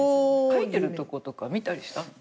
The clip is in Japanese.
描いてるとことか見たりしたの？